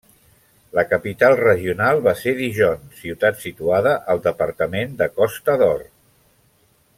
La capital regional va ser Dijon, ciutat situada al departament de Costa d'Or.